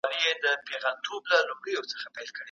که سترګې ستړې سي نو مه ګوره.